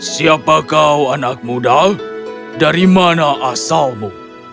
siapa kau anak muda dari mana asalmu